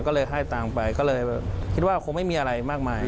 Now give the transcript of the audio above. ก็เลยให้ตังค์ไปก็เลยคิดว่าคงไม่มีอะไรมากมาย